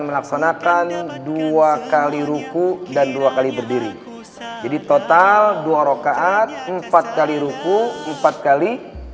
melaksanakan dua kali ruku dan dua kali berdiri jadi total dua rokaat empat kali ruku empat kali